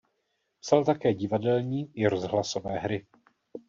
Psal také divadelní i rozhlasové hry.